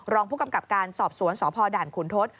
รองผู้กำกับการสอบสวนสพด่านขุนทศ